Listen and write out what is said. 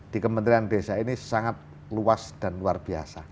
di kementerian desa ini sangat luas dan luar biasa